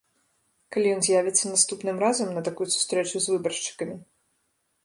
Калі ён з'явіцца наступным разам на такую сустрэчу з выбаршчыкамі.